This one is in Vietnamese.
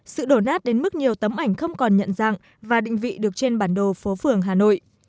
sự đổ nát đến mức nhiều tấm ảnh không còn nhận dạng và định vị được trên bản đồ phố phường hà nội